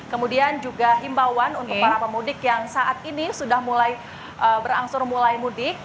kemudian juga himbawan untuk para pemudik yang saat ini sudah mulai berangsur mulai mudik